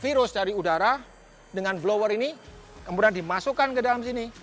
virus dari udara dengan blower ini kemudian dimasukkan ke dalam sini